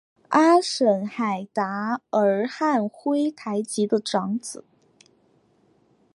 阿什海达尔汉珲台吉的长子。